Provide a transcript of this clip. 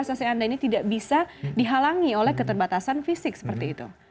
investasi anda ini tidak bisa dihalangi oleh keterbatasan fisik seperti itu